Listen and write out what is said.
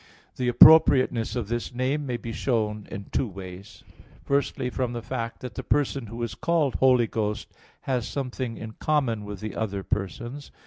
The appropriateness of this name may be shown in two ways. Firstly, from the fact that the person who is called "Holy Ghost" has something in common with the other Persons.